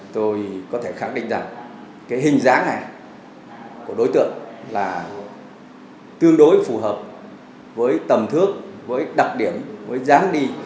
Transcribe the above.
tôi có thể khẳng định rằng hình dáng của đối tượng tương đối phù hợp với tầm thước đặc điểm dáng đi